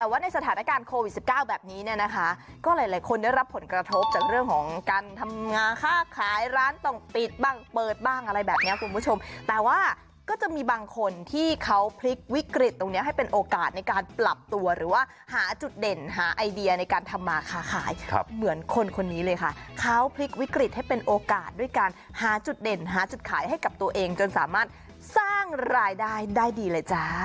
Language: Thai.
แต่ว่าในสถานการณ์โควิด๑๙แบบนี้เนี่ยนะคะก็หลายคนได้รับผลกระทบจากเรื่องของการทำงานค่าขายร้านต้องปิดบ้างเปิดบ้างอะไรแบบนี้คุณผู้ชมแต่ว่าก็จะมีบางคนที่เขาพลิกวิกฤตตรงนี้ให้เป็นโอกาสในการปรับตัวหรือว่าหาจุดเด่นหาไอเดียในการทำมาค้าขายเหมือนคนคนนี้เลยค่ะเขาพลิกวิกฤตให้เป็นโอกาสด้วยการหาจุดเด่นหาจุดขายให้กับตัวเองจนสามารถสร้างรายได้ได้ดีเลยจ้า